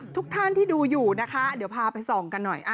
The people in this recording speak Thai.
ทุกท่านที่ดูอยู่นะคะเดี๋ยวพาไปส่องกันหน่อย